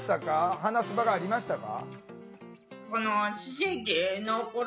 話す場がありましたか？